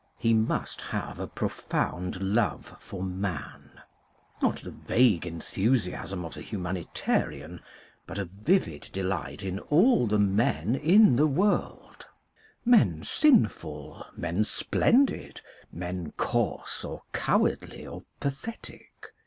He must have a profound love for man, not the vague en thusiasm of the humanitarian but a vivid delight in all the men in the world, men sinful, men splendid, men coarse, or cowardly, or pathetic.